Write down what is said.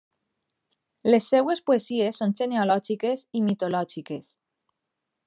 Les seves poesies són genealògiques i mitològiques.